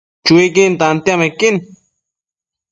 Chuiquin tantiamequin